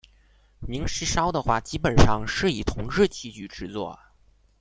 明石烧的话基本上是以铜制器具制作。